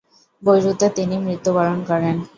বৈরুতে তিনি মৃত্যু বরণ করেন।